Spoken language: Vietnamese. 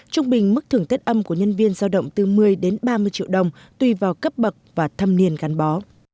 trung bình mức thưởng tết âm của nhân viên giao động từ một mươi đến ba mươi triệu đồng tùy vào cấp bậc và thâm niên gắn bó